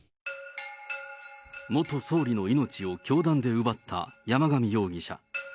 元総理の命を凶弾で奪った山上容疑者。